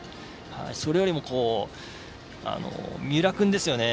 それよりも三浦君ですよね。